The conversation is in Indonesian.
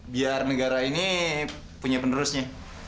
biar negara ini punya penerusnya